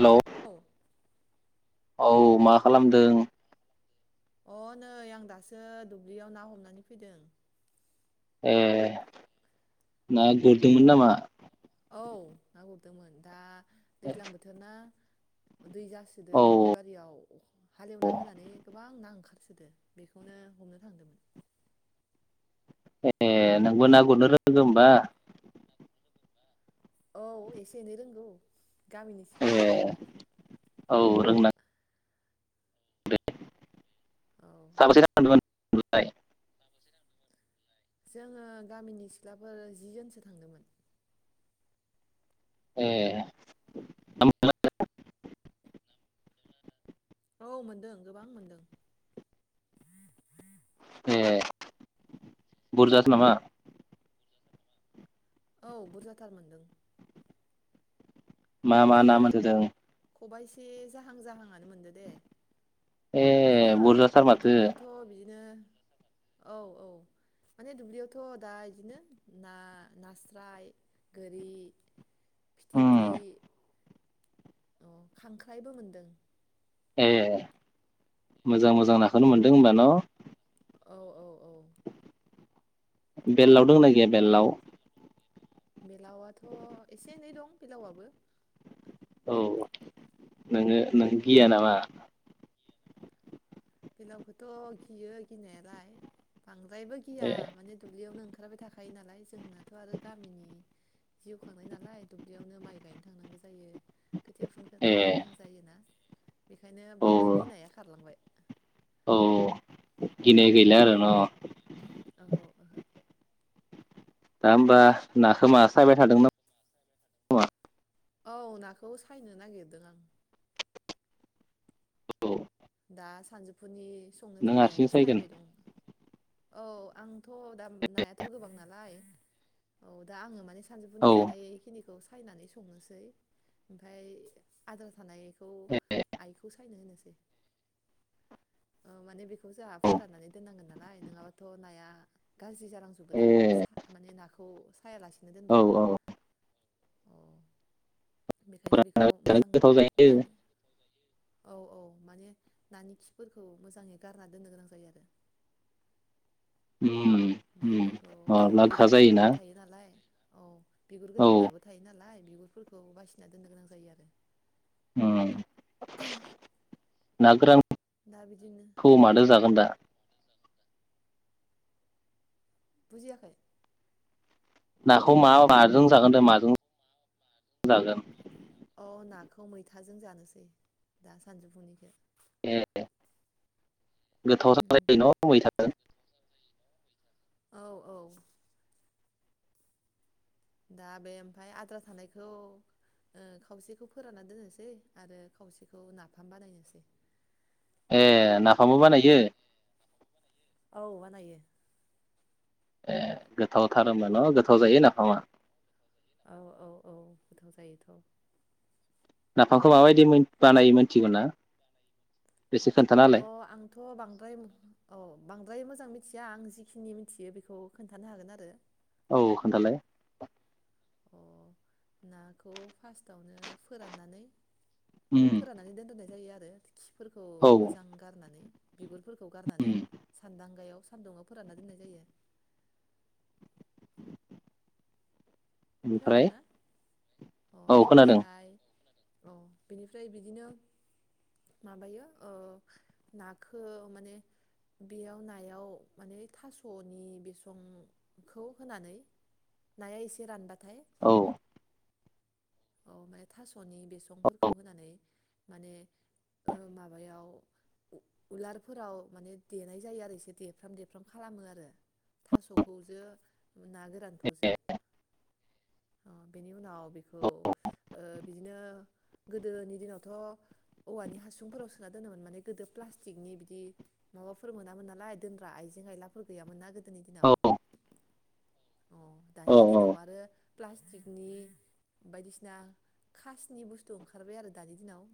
Hello औ औ मा खालामदों? अ नै आं दासो दुब्लियाव ना हमनानै फैदों। ए ना गुरदोंमोन नामा? औ ना गुरदोंमोन दा दैज्लां बोथोर ना दै जासोदो औ दुब्लिबारियाव हालेवना होनानै गोबां ना ओंखार सोदो बेखौनो हमनो थांदोंमोन। ए नोंबो ना गुरनो रोंगो ओमबा? औ एसे एनै रोंगो। गामिनि ए सिख्ला नालाय। औ रोंना औ साबोसे थांदोंमोन ना गुरनो लाय? जोङो गामिनि सिख्लाफोर जि जोनसो थांदोंमोन। एह [unintelligible] औ मोनदों गोबां मोनदों। ए बुरजाथार नामा? औ बुरजाथार मोनदों। मा मा ना बिदिनो मोनसोदों? खबाइसे जाहां जाहां आ नो मोनदो दे। ए इदिनो बुरजाथार माने माथो दुब्लियावथ' बिदिनो औ औ माने दुब्लियावथ' दा इदिनो ना नास्राय गोरि, उम फिथिख्रि अ खांख्राइबो मोनदों। ए मोजां मोजां नाखौनो मोन्दों होमबा न'? औ औ औ बेललाव दंना गैया बेललाव? बेलावआथ' एसे एनै दं बेलावआबो। औ नोङो नों गिया नामा? बेलावखौथ' गियो गिनायालाय बां द्रायबो गिया ए माने दुब्लियावनो ओंखार ओंखारबाय थाखायो नालाय जोंनाथ' आरो गामिनि जिउ खांनाय नालाय दुब्लियावनो माइ गायनो थांनांगो जायो। खोथिया फुनो ए थांनो गोनां जायोना। बेखायनो औ बांद्राय गिनाया खारलांबाय। औ गिनाय गैला आरो न'। ओहो ओहो दा ओमबा नाखो मा सायबाय थादों नामा? औ नाखौ सायनो नागिरदों आं। औ दा सानजौफुनि संनो नों थाखाय हारसिं सायगोन सायबाय दं। थ' दा नायाथ' गोबां नालाय औ दा आङो माने औ सानजौफुनि जानायखिनि खौ सायनानै संनोसै ओमफ्राय आद्रा थानाय खौ ए आइखौ सायनो होनोसै। [inaudible] ओ माने बेख खौ जोंहा औ फोरान दोननांगोन ना। नालाय नङाबाथ' नाया गाज्रि ए जालांजोबोना सा माने नाखो खौ सायालासिनो औ दोनबा। औ अ बेखायनो बेखौ फोराननानै जानो मोजां गोथाव जायो नानि औ औ। माने नानि खिफोरखौ मोजाङै गारना दोननो गोनां जायो आरो। उम ओमफाय उम बेखौ माब्ला गोखा जायोना बिगुरफोरबो थायो नालाय औ बिगुर औ गोनां नाबो थायो नालाय। बिगुरफोरखौ बासिना दोननो गोनां जायो आरो। ओम ना गोरान दा बिदिनो खौ औ मादो जागोन दा? बुजियाखै। नाखौ मा माजों जागोन दे माजों जागोन? अ नाखौ मैथाजों जानोसै दा सानजौफुनिखो। ए गोथाव जायो न' मैथाजो औ औ दा बे ओमफाय आद्रा थानायखौ ओ खावसेखौ फोरानना दोननोसै आरो खावसेखौ नाफाम बानायनोसै। ए नाफामबो बानायो। औ बानायो। ए गोथावथार होमबा न' गोथाव जायो नाफामा। औ औ औ गोथाव जायोथ' नाफामखौ माबायदि मोन बानायो मोनथिगौ ना? एसे अ खोन्थानालाय आंथ' बांद्राय औ बां बांद्राय मोजां मिथिया आं जिखिनि मिथियो बेखौ खोन्थानो हागोन आरो। औ खोन्थालाय। अह नाखौ फास्टआवनो फोराननानै। उम फोराननानै दोनथ'नाय जायो आर [inaudible] खिफोरखौ औ मोजां गारनानै बिगुरफोरखौ गारनानै उम सान्दांगायाव सान्दुङाव फोरानना दोननाय जायो। ओमफ्राय खोनादोंना अह औ खोनादों बेनिफ्राय अ बिनिफ्राय बिदिनो माबायो ओ नाखौ माने बेयाव नायाव माने थास'नि बिसंखौ होनानै नाया एसे रानबा औ औ माने थास'नि बिसंफोरखौ होनानै माने माबायाव उलारफोराव माने देनाय जायो आरो एसे देफ्राम देफ्राम खालामो आरो थास'खौ जों ना गोरानखौ जो ओ बेनि उनाव बेखौ ओ बिदिनो गोदोनि दिनावथ' औवानि हासुंफोराव सोना दोनोमोन माने गोदो प्लास्टिकनि बिदि माबाफोर मोनामोन नालाय दोनग्रा आइजें आयलाफोर गैयामोन ना गोद दोनि दिनाव औ अह औ दानि औ दिनाव आरो। प्लास्टिकनि बायदिसिना खासनि बुस्थु ओंखारबाय आरो दानि दिनाव